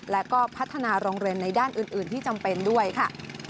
และก็พัฒนาโรงเรียนในด้านอื่นที่จำเป็นด้วยค่ะ